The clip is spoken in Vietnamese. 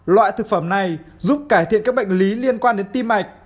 loại thực phẩm này giúp cải thiện các bệnh lý liên quan đến tim mạch